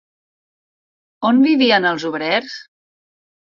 On vivien els obrers?